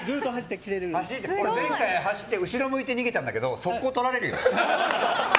前回、走って後ろ向いて逃げたんだけど速攻、取られるよ。